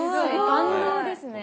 万能ですね。